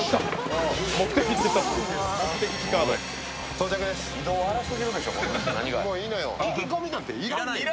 到着です。